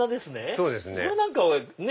そうですね。